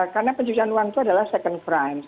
karena penjagaan uang itu adalah second crime